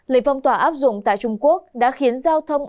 lịch phong tỏa áp dụng tại trung quốc đã khiến giao thông